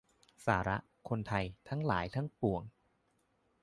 สาระ คนไทยทั้งหลายทั้งปวง